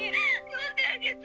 呼んであげて。